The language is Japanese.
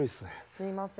すいません。